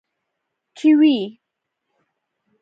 🥝 کیوي